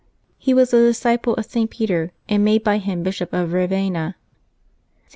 He was a disciple of St. Peter, and made by him Bishop of Eavenna. St.